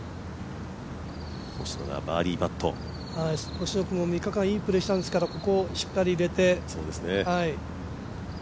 星野君も３日間いいプレーしたんですからここしっかり入れて。